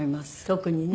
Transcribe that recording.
特にね。